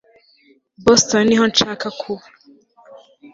boston niho nshaka kuba